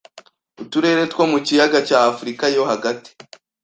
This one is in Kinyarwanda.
Uturere two mu kiyaga cya Afurika yo hagati